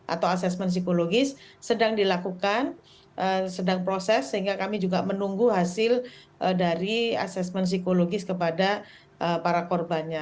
atau asesmen psikologis sedang dilakukan sedang proses sehingga kami juga menunggu hasil dari asesmen psikologis kepada para korbannya